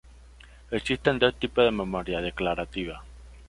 Existen dos tipos de memoria declarativa.